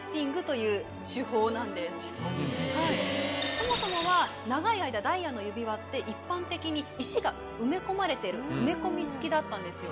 そもそもは長い間ダイヤの指輪って一般的に石が埋め込まれている埋め込み式だったんですよ。